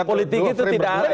politik itu tidak ada